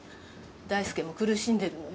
大輔も苦しんでるのよ。